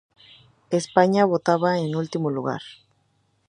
España votaba en último lugar.